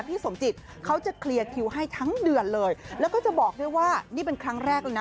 พี่สมจิตเขาจะเคลียร์คิวให้ทั้งเดือนเลยแล้วก็จะบอกด้วยว่านี่เป็นครั้งแรกเลยนะ